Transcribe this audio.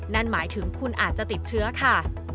นั่นหมายถึงคุณอาจจะติดเชื้อค่ะ